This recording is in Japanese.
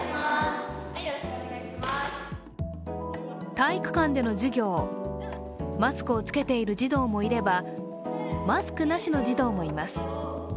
体育館での授業、マスクを着けている児童もいればマスクなしの児童もいます。